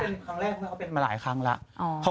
เค้าเป็นมาหลายครั้งแล้ว